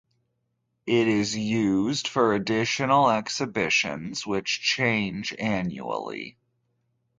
It is used for additional exhibitions, which change annually.